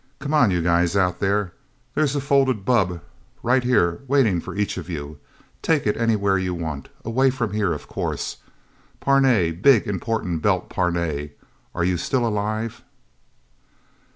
Come on, you guys out there. There's a folded bubb right here waiting for each of you. Take it anywhere you want away from here, of course... Parnay big, important Belt Parnay are you still alive...?"